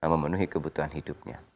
memenuhi kebutuhan hidupnya